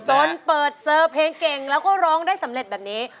จนเปิดเจอเพลงเก่งแล้วก็ร้องได้สำเร็จแบบนี้